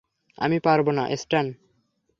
আমি পারবো না, স্ট্যান।